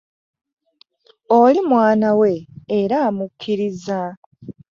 Oli mwana we era amukkiriza.